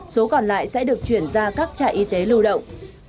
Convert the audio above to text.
số còn lại sẽ được chuyển ra các trại y tế lưu động